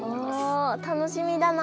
お楽しみだな。